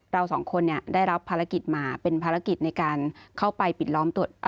เราสองคนเนี่ยได้รับภารกิจมาเป็นภารกิจในการเข้าไปปิดล้อมตรวจ